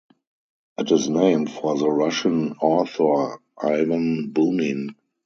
It is named for the Russian author Ivan Bunin.